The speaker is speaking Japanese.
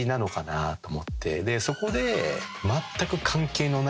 そこで。